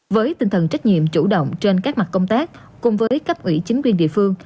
với tinh thần trách nhiệm chủ động trên các mặt công tác cùng với cấp ủy chính quyền địa phương